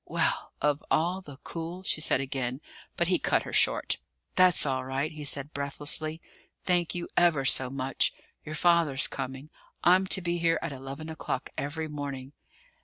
"Well, of all the cool " she said again. But he cut her short. "That's all right," he said breathlessly; "thank you ever so much. Your father's coming. I'm to be here at eleven o'clock every morning."